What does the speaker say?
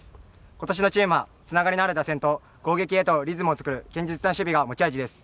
今年のチームはつながりのある打線と攻撃へとリズムを作る堅実な守備が持ち味です。